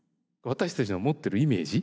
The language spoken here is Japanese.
私たちの持ってるイメージ。